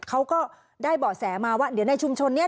เขาก็ได้เบาะแสมาว่าเดี๋ยวในชุมชนนี้